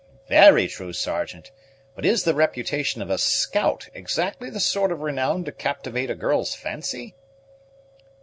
"Very true, Sergeant; but is the reputation of a scout exactly the sort of renown to captivate a girl's fancy?"